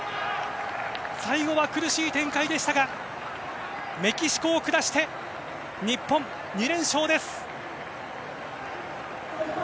最後は苦しい展開でしたがメキシコを下して日本、２連勝です！